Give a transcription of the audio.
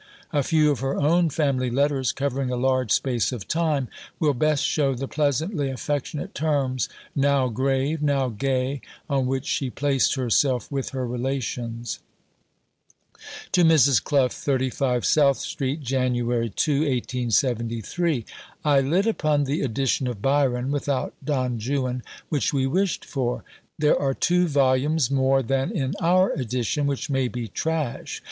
A few of her own family letters, covering a large space of time, will best show the pleasantly affectionate terms, now grave, now gay, on which she placed herself with her relations: (To Mrs. Clough.) 35 SOUTH STREET, Jan. 2 . I lit upon the edition of Byron (without Don Juan) which we wished for. There are two vols. more than in our edition, which may be trash.